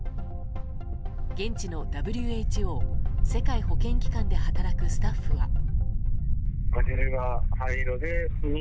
現地のＷＨＯ・世界保健機関で働くスタッフは。